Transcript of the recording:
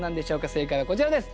正解はこちらです。